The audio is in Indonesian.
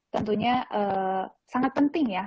tentunya sangat penting ya